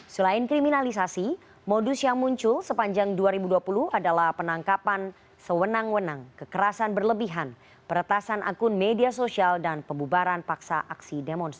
selain kriminalisasi modus yang muncul sepanjang dua ribu dua puluh adalah penangkapan sewenang wenang kekerasan berlebihan peretasan akun media sosial dan pembubaran paksa aksi demonstrasi